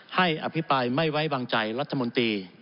อภิปรายไม่ไว้วางใจรัฐมนตรี